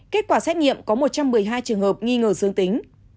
kết quả xét nghiệm có một trăm một mươi hai trường hợp nghi ngờ dương tính